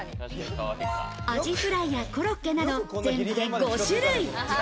アジフライやコロッケなど全部で５種類。